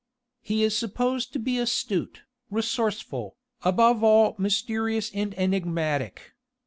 He is supposed to be astute, resourceful, above all mysterious and enigmatic.